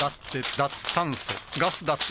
脱炭素ガス・だって・